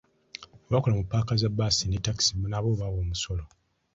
Abakola mu ppaaka za bbaasi ne ttakisi nabo bawa omusolo.